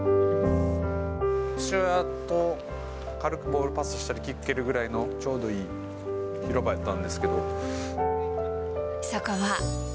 父親と軽くボールパスしたり、キック蹴るぐらいのちょうどいい広場だったんですけど。